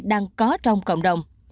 đang có trong cộng đồng